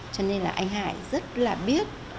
cho nên là anh hải rất là biết